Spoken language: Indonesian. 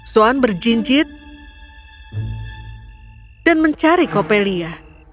swan berjinjit dan mencari copelia